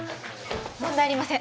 問題ありません